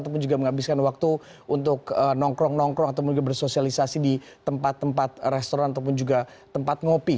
ataupun juga menghabiskan waktu untuk nongkrong nongkrong atau bersosialisasi di tempat tempat restoran ataupun juga tempat ngopi